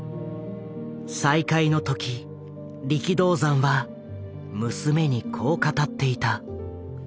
再会の時力道山は娘にこう語っていた。